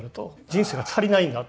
「人生が足りないんだ」。